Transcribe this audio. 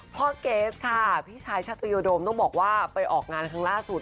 เกสค่ะพี่ชายชัตยโดมต้องบอกว่าไปออกงานครั้งล่าสุด